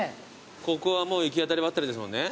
ここはもう行き当たりばったりですもんね。